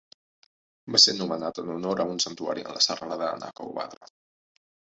Va ser nomenat en honor a un santuari en la serralada de Nakauvadra.